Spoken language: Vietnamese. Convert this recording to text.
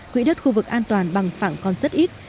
quỹ đất khu vực an toàn bằng phẳng còn rất ít